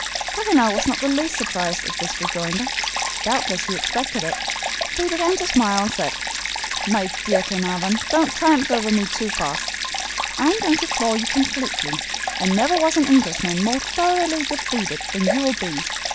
Paganel was not the least surprised at this rejoinder. Doubtless he expected it, for he began to smile, and said: "My dear Glenarvan, don't triumph over me too fast. I am going to floor you completely, and never was an Englishman more thoroughly defeated than you will be.